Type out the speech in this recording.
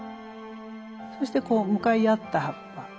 そしてこう向かい合った葉っぱ。